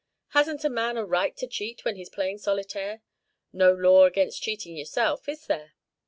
Hasn't a man a right to cheat when he's playing solitaire? No law against cheating yourself, is there?"